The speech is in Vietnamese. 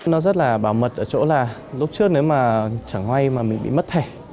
nó rất là bảo mật ở chỗ là lúc trước nếu mà chẳng may mà mình bị mất thẻ